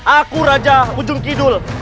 aku raja ujung kidul